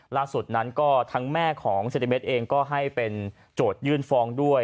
ล่าสุดนั้นก็ทั้งแม่ของเซนติเมตรเองก็ให้เป็นโจทยื่นฟ้องด้วย